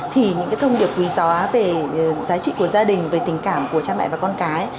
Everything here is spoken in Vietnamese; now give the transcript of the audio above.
thì những cái thông điệp quý gió về giá trị của gia đình về tình cảm của cha mẹ và con cái